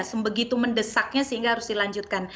sebegitu mendesaknya sehingga harus dilanjutkan